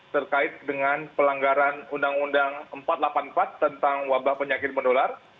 terkait dengan pelanggaran undang undang empat ratus delapan puluh empat tentang wabah penyakit menular